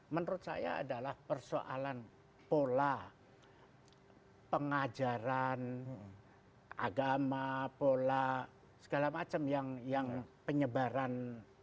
menurut saya adalah persoalan pola pengajaran agama pola segala macam yang penyebaran